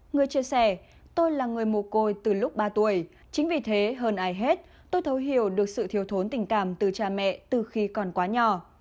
người chia sẻ tôi là người mồ côi từ lúc ba tuổi chính vì thế hơn ai hết tôi thấu hiểu được sự thiếu thốn tình cảm từ cha mẹ từ khi còn quá nhỏ